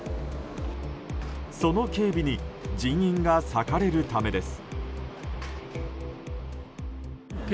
その警備に人員が割かれるためです。